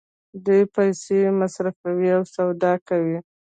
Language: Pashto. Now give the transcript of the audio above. دوی پیسې مصرفوي او سودا کوي.